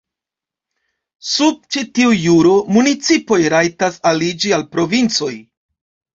Sub ĉi tiu juro, municipoj rajtas aliĝi al provincoj.